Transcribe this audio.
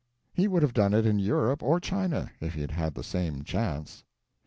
He would have done it in Europe or China if he had had the same chance.